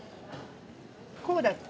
こうだっけ？